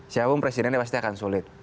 siapapun presidennya pasti akan sulit